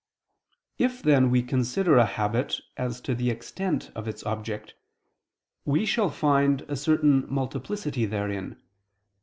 If then we consider a habit as to the extent of its object, we shall find a certain multiplicity therein.